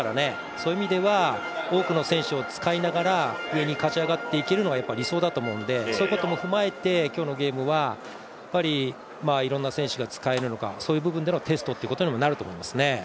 そういう意味では多くの選手を使いながら上に勝ち上がっていけるのが理想だと思うのでそういうことも踏まえて今日のゲームはいろんな選手を使えるのかそういう部分でのテストってことにもなると思いますね。